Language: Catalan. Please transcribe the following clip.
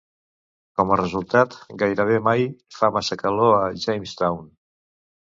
Com a resultat, gairebé mai fa massa calor a Jamestown.